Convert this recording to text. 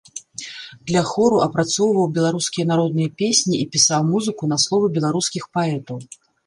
Для хору апрацоўваў беларускія народныя песні і пісаў музыку на словы беларускіх паэтаў.